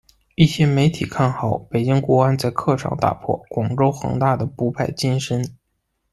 一些媒体看好北京国安在客场打破广州恒大的不败金身。